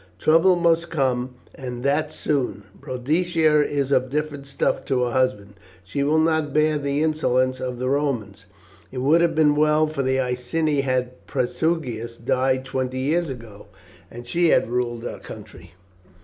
Trouble must come, and that soon. Boadicea is of different stuff to her husband; she will not bear the insolence of the Romans. It would have been well for the Iceni had Prasutagus died twenty years ago and she had ruled our country."